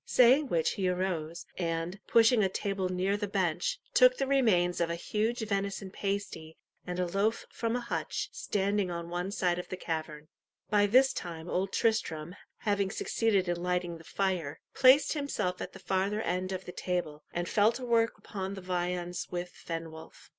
Saying which he arose, and, pushing a table near the bench, took the remains of a huge venison pasty and a loaf from a hutch standing on one side of the cavern. By this time Old Tristram, having succeeded in lighting the fire, placed himself at the farther end of the table, and fell to work upon the viands with Fenwolf.